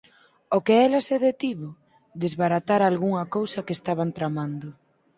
Ó que ela se detivo, desbaratara algunha cousa que estaban tramando.